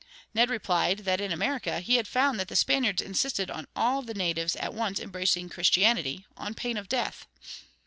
Ned replied that, in America, he had found that the Spaniards insisted on all the natives at once embracing Christianity, on pain of death.